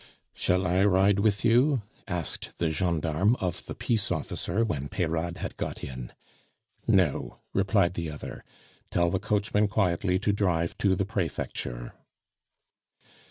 "Shall I ride with you?" asked the gendarme of the peace officer when Peyrade had got in. "No," replied the other; "tell the coachman quietly to drive to the Prefecture."